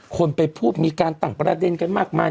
คนไปพูดมีการตั้งประเด็นกันมากมาย